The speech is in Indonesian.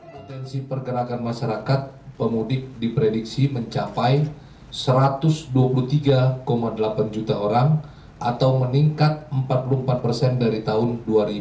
potensi pergerakan masyarakat pemudik diprediksi mencapai satu ratus dua puluh tiga delapan juta orang atau meningkat empat puluh empat persen dari tahun dua ribu dua puluh